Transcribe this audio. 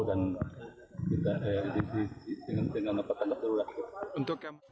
dan kita bisa mengambil tempat terurah